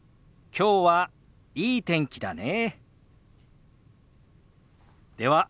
きょうはいい天気だね。